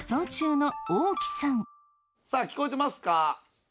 さあ聞こえてますか？